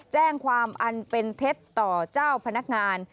แจ้งความอันเป็นเท็จต่อเจ้าพนักงาน